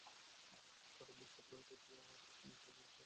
তাঁরা মিথ্যা পরিচয় দেওয়ায় এলাকার লোকজন তাঁদের ধাওয়া করেছে বলে তিনি শুনেছেন।